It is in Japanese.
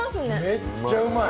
めっちゃうまい。